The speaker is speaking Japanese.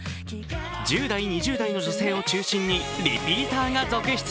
１０代、２０代の女性を中心にリピーターが続出。